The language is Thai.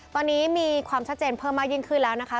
ตอนนี้มีความชัดเจนเพิ่มมากยิ่งขึ้นแล้วนะคะ